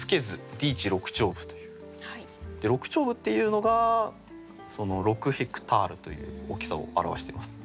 「六町歩」っていうのが６ヘクタールという大きさを表しています。